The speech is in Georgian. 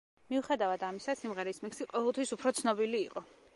მიუხედავად ამისა, სიმღერის მიქსი ყოველთვის უფრო ცნობილი იყო.